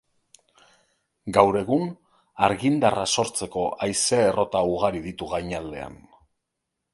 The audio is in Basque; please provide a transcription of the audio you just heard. Gaur egun, argindarra sortzeko haize errota ugari ditu gainaldean.